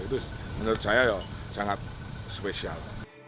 itu menurut saya sangat spesial